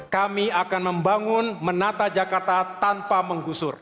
kami akan membangun menata jakarta tanpa menggusur